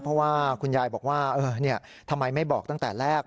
เพราะว่าคุณยายบอกว่าทำไมไม่บอกตั้งแต่แรก